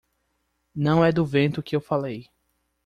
Não é do vento que eu falei.